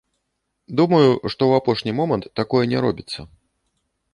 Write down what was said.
Думаю, што ў апошні момант такое не робіцца.